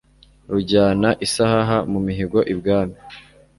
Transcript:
Rujyana isahaha mu mihigo ibwami